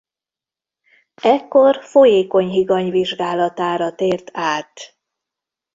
Ekkor folyékony higany vizsgálatára tért át.